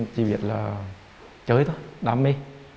chỉ biết là chơi thôi đam mê